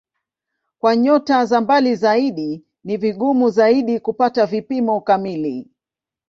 Kwa nyota za mbali zaidi ni vigumu zaidi kupata vipimo kamili.